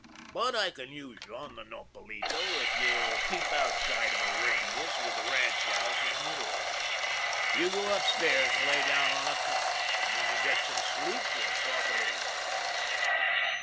But I can use you on the Nopalito if you'll keep outside of a radius with the ranch house in the middle of it. You go upstairs and lay down on a cot, and when you get some sleep we'll talk it over.